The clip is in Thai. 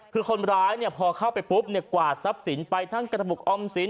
คือคนร้ายพอเข้าไปปุ๊บกวาดทรัพย์สินไปทั้งกระปุกออมสิน